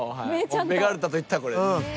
ベガルタといったらこれです。